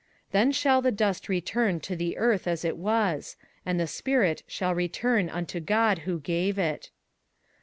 21:012:007 Then shall the dust return to the earth as it was: and the spirit shall return unto God who gave it.